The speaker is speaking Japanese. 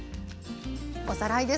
おさらいです。